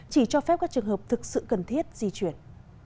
chỉ cho phép các trường hợp thực sự cần thiết di chuyển